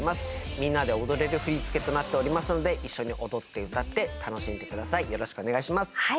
みんなで踊れる振り付けとなっておりますので一緒に踊って歌って楽しんでください